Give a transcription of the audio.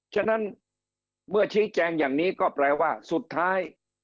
ฉะนั้นเมื่อชี้แจงอย่างนี้ก็แปลว่าสุดท้าย